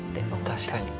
確かに。